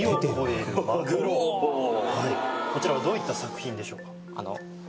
ほうこちらはどういった作品でしょうか